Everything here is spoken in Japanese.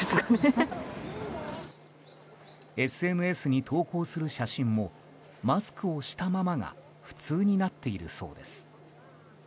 ＳＮＳに投稿する写真もマスクをしたままが普通になっているそうです。